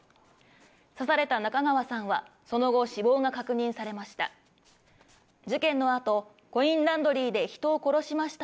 刺された中川さんはその後、死亡が確認されました。